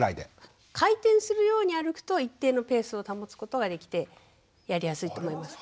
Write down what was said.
回転するように歩くと一定のペースを保つことができてやりやすいと思います。